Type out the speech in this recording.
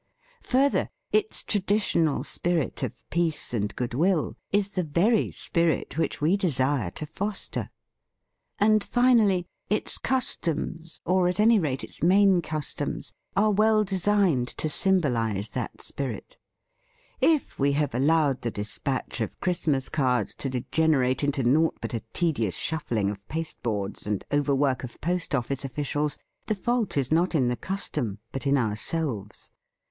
Further, its tra ditional spirit of peace and goodwill is the very spirit which we desire to fos ter. And finally its customs — or at any rate, its main customs — are well designed to symbolize that spirit. If we have allowed the despatch of Christ mas cards to degenerate into naught but a tedious shuffling of paste boards and overwork of post office officials, the fault is not in the custom but in ourselves.